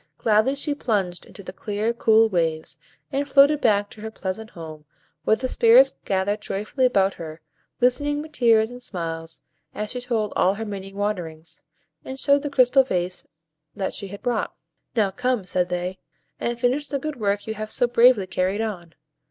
Gladly she plunged into the clear, cool waves, and floated back to her pleasant home; where the Spirits gathered joyfully about her, listening with tears and smiles, as she told all her many wanderings, and showed the crystal vase that she had brought. "Now come," said they, "and finish the good work you have so bravely carried on."